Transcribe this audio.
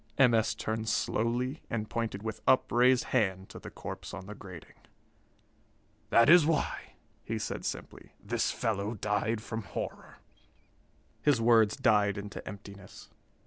M. S. turned slowly and pointed with upraised hand to the corpse on the grating. "That is why," he said simply, "this fellow died from horror." His words died into emptiness.